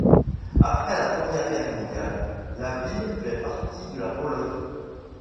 Après la Première Guerre Mondiale, la ville fait partie de la Pologne.